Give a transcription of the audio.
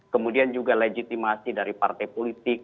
kemudian juga legitimasi dari partai politik